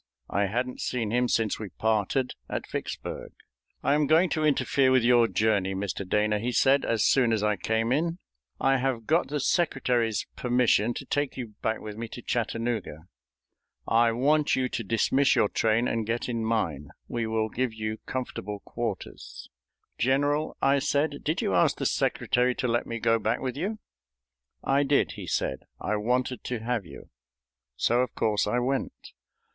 I hadn't seen him since we parted at Vicksburg. "I am going to interfere with your journey, Mr. Dana," he said as soon as I came in. "I have got the Secretary's permission to take you back with me to Chattanooga. I want you to dismiss your train and get in mine; we will give you comfortable quarters." "General," I said, "did you ask the Secretary to let me go back with you?" "I did," he said; "I wanted to have you." So, of course, I went.